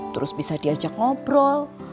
terus bisa diajak ngobrol